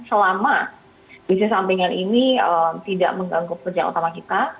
selama bisnis sampingan ini tidak mengganggu pekerjaan utama kita